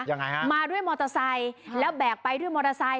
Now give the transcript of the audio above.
ยังไงครับ๘๐๐๐๐๑มาด้วยมอเตอร์ไซค์และแบกไปด้วยมอเตอร์ไซค์